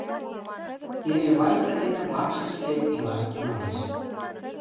Теве Вайса дене вакшыште илаш тӱҥалеш.